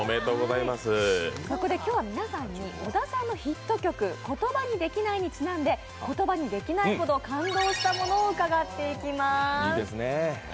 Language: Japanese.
そこで今日は皆さんに小田さんのヒット曲「言葉にできない」にちなんで言葉にできないほど感動したものを伺っていきます。